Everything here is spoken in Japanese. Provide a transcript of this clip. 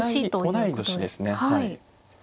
同い年ですねはい。